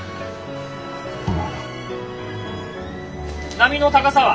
波の高さは？